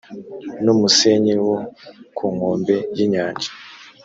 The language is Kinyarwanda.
n umusenyi wo ku nkombe y inyanja